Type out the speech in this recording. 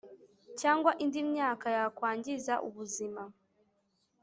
cyangwa indi myanda yakwangiza ubuzima